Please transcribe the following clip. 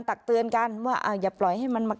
ตักเตือนกันว่าอย่าปล่อยให้มันมา